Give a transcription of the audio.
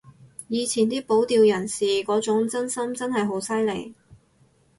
以前啲保釣人士嗰種真心真係好犀利